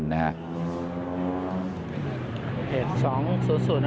เป็นหน้าร้านยำเจ๊อันนะครับอยู่ปากซอยเพชรบุรี๒๒นะครับ